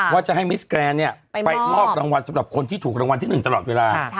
ว่าจะให้มิสแกรนไปมอบรางวัลสำหรับคนที่ถูกรางวัลที่๑ตลอดเวลา